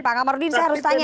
pak kamarudin saya harus tanya